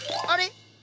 あれ？